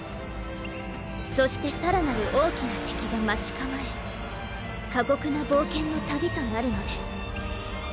そしてさらなる大きな敵が待ち構え過酷な冒険の旅となるのです。